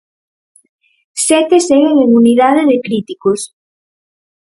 Sete seguen en unidade de críticos.